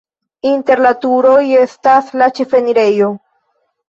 Inter la turoj estas la ĉefenirejo.